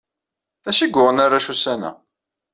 D acu i yuɣen arrac ussan-a?